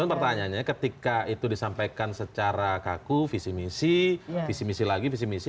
cuma pertanyaannya ketika itu disampaikan secara kaku visi misi visi misi lagi visi misi